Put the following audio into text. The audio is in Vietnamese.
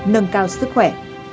nâng cao sức khỏe